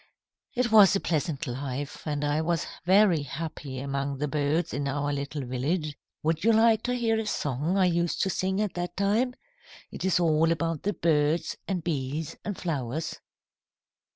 "It was a pleasant life, and I was very happy among the birds in our little village. Would you like to hear a song I used to sing at that time? It is all about the birds and bees and flowers."